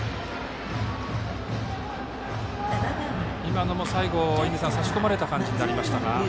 今のも最後、差し込まれた感じになりましたが。